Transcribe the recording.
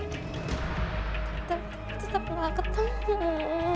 tetep tetep tetep malah ketemu